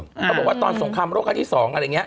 เขาบอกว่าตอนสงครามโลกครั้งที่๒อะไรอย่างนี้